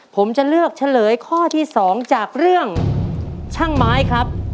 ผมจะเลือกเฉลยข้อที่๒จากเรื่องช่างไม้ครับ